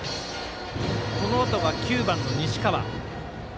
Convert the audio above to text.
このあとが９番の西川。